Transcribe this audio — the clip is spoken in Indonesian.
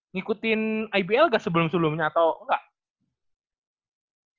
ngikutin ibl gak sebelum sebelumnya atau enggak